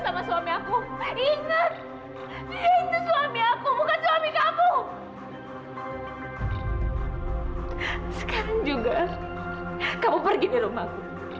sama suami aku ingat dia itu suami aku bukan suami kamu sekarang juga kamu pergi di rumah